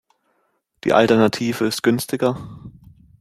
Die Alternative ist günstiger.